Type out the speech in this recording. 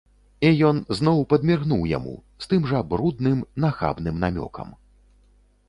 І ён зноў падміргнуў яму з тым жа брудным, нахабным намёкам.